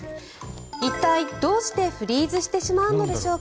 一体どうしてフリーズしてしまうのでしょうか。